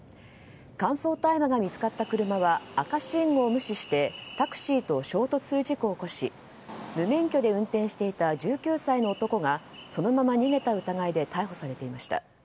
乾燥大麻が見つかった車は赤信号を無視してタクシーと衝突する事故を起こし無免許で運転していた１９歳の男がそのまま逃げた疑いで逮捕されていました。